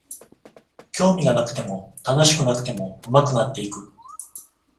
興味がなくても楽しくなくても上手くなっていく